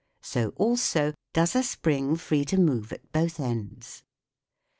So also does a spring free to move at both ends.